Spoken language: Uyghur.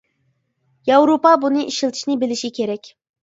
ياۋروپا بۇنى ئىشلىتىشنى بىلىشى كېرەك.